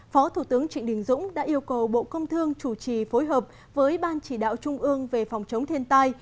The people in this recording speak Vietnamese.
phó thủ tướng trịnh đình dũng đã yêu cầu bộ công thương chủ trì phối hợp với ban chỉ đạo trung ương về phòng chống thiên tai